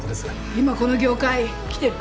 今この業界きてるから。